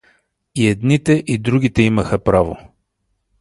И едните, и другите имаха право.